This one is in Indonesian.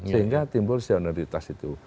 sehingga timbul sionalitas itu